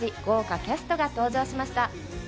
豪華キャストが登場しました。